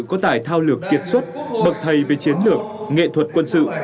có tải thao lược kiệt xuất bậc thầy về chiến lược nghệ thuật quân sự